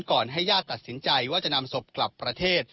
ให้ญาติตัดสินใจว่าจะนำศพกลับประเทศ